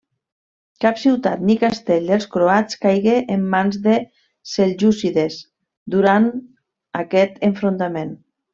Cap ciutat ni castell dels croats caigué en mans dels seljúcides durant aquest enfrontament.